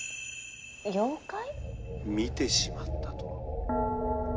見てしまったと。